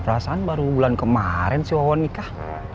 perasaan baru bulan kemaren si wawah nikah